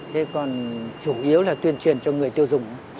thế còn chủ yếu là tuyên truyền cho người tiêu dùng